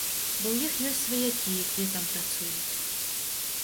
Бо ў іх ёсць сваякі, якія там працуюць.